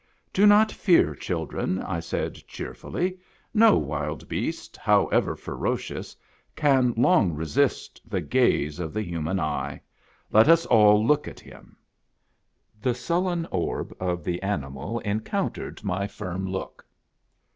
"Do not fear, children," I said cheerfully; "no wild beast, however ferocious, can long resist the gize of the human eye. Let us all look at him." The sullen orb of the animal encountered my firm look.